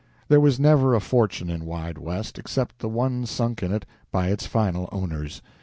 There was never a fortune in "Wide West," except the one sunk in it by its final owners.